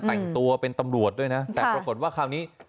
แต่งตัวเป็นตำรวจด้วยนะแต่ปรากฏว่าคราวนี้